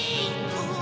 ・うわ！